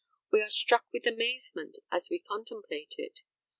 We are struck with amazement as we contemplate it.